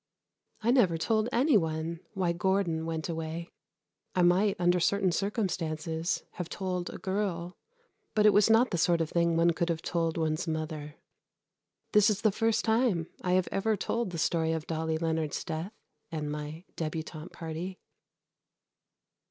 I never told any one why Gordon went away. I might under certain circumstances have told a girl, but it was not the sort of thing one could have told one's mother. This is the first time I have ever told the story of Dolly Leonard's death and my débutante party.